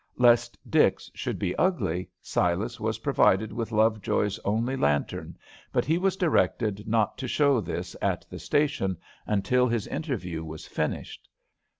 Lest Dix should be ugly, Silas was provided with Lovejoy's only lantern, but he was directed not to show this at the station until his interview was finished.